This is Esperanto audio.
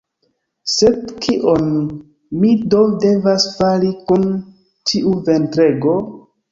Sed kion mi do devas fari kun tiu ventrego?